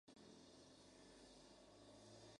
Un niño fue llevado al hospital, pero fue declarado muerto.